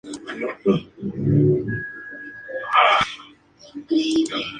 La obligación de objeto múltiple se opone a la obligación de objeto único.